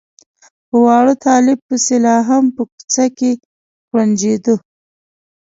په واړه طالب پسې لا هم په کوڅه کې کوړنجېده.